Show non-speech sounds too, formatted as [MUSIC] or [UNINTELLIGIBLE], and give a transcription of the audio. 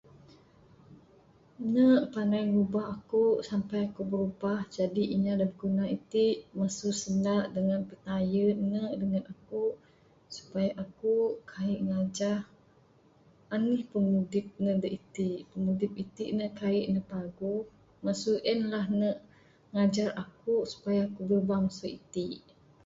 Ne panai ngubah aku sampe ku brubah jadi inya da biguna iti ne masu sanda dangan pitayen ne neg aku, supaya aku kaik ngajah anih pimudip ne da itin. Pimudip itin ne kaik ne paguh masu en lah ne ngajar aku supaya brubah. [UNINTELLIGIBLE]